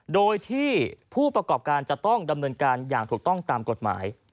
โดยที่ผู้ประกอบการจะต้องดำเนินการอย่างถูกต้องตามกฎหมาย